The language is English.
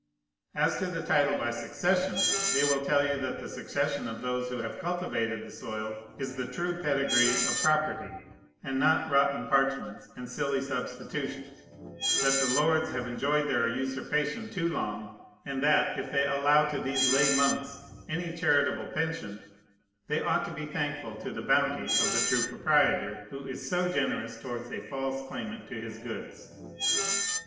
As to the title by succession, they will tell you that the succession of those who have cultivated the soil is the true pedigree of property, and not rotten parchments and silly substitutions, that the lords have enjoyed their usurpation too long, and that, if they allow to these lay monks any charitable pension, they ought to be thankful to the bounty of the true proprietor, who is so generous towards a false claimant to his goods.